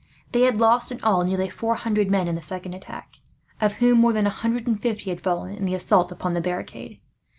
They had lost, in all, nearly four hundred men in the second attack; of whom more than a hundred and fifty had fallen in the assault upon the barricade.